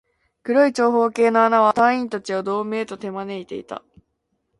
黒い長方形の穴は、隊員達をドームへと手招いていた